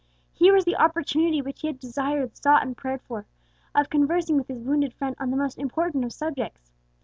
Here was the opportunity which he had desired, sought, and prayed for, of conversing with his wounded friend on the most important of subjects.